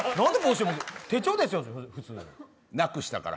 なくしたから。